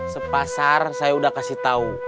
sepasar saya udah kasih tau